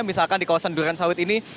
misalkan di kawasan duransawit ini